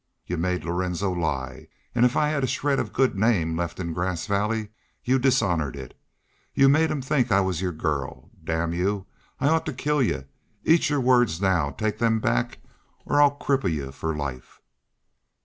Y'u made Lorenzo lie. An' if I had a shred of good name left in Grass Valley you dishonored it.... Y'u made him think I was your girl! Damn y'u! I ought to kill y'u.... Eat your words now take them back or I'll cripple y'u for life!"